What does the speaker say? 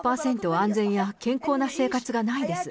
安全や、健康な生活がないです。